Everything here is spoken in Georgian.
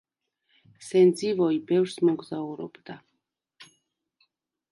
სენძივოი ბევრს მოგზაურობდა.